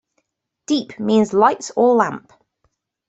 "Deep", means "light" or "lamp".